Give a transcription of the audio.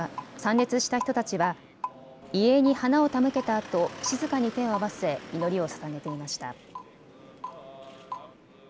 参列した人たちは、遺影に花を手向けたあと、静かに手を合わせ、祈りをささげていました。